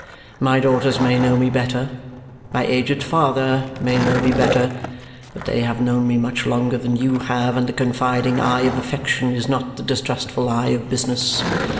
My daughters may know me better; my aged father may know me better. But they have known me much longer than you have, and the confiding eye of affection is not the distrustful eye of business.